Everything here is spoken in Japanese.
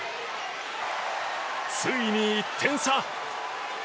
ついに１点差。